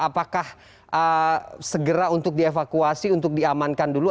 apakah segera untuk dievakuasi untuk diamankan dulu